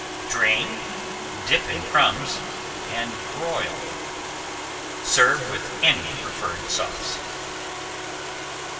Drain, dip in crumbs, and broil. Serve with any preferred sauce.